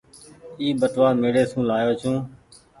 اي ٻٽوآ ميڙي سون لآيو ڇون ۔